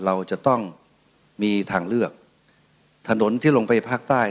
เราจะต้องมีทางเลือกถนนที่ลงไปภาคใต้